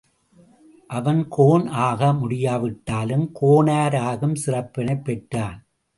அவன் கோன் ஆகமுடியாவிட்டாலும் கோனார் ஆகும் சிறப்பினைப் பெற்றான்.